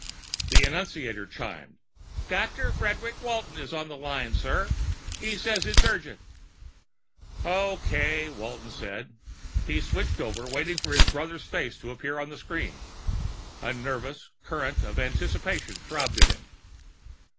The annunciator chimed. "Dr. Frederic Walton is on the line, sir. He says it's urgent." "Okay," Walton said. He switched over and waited for his brother's face to appear on the screen. A nervous current of anticipation throbbed in him.